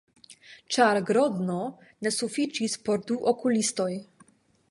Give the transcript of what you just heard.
Ĉar Grodno ne sufiĉis por du okulistoj.